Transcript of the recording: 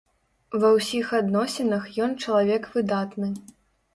Ва ўсіх адносінах ён чалавек выдатны.